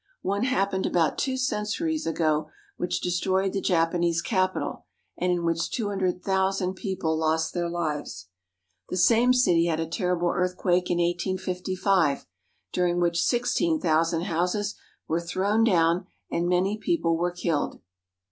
One happened about two centuries ago which destroyed the Japanese capital, and in which two hundred thousand people lost their lives. The same city had a terrible earthquake in 1855, during which sixteen thousand houses were thrown down and many people were killed.